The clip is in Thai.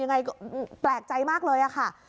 ยังไงก็แปลกใจมากเลยค่ะ